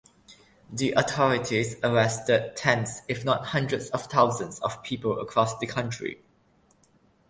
The authorities arrested tens if not hundreds of thousands of people across the country.